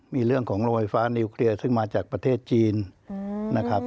มีเรื่องของโรงไฟฟ้านิวเคลียร์ซึ่งมาจากประเทศจีนนะครับ